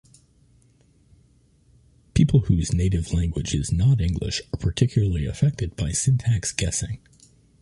People whose native language is not English are particularly affected by syntax guessing.